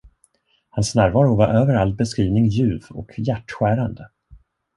Hans närvaro var över all beskrivning ljuv och hjärtskärande.